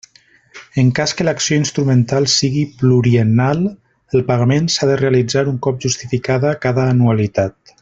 En cas que l'acció instrumental sigui pluriennal, el pagament s'ha de realitzar un cop justificada cada anualitat.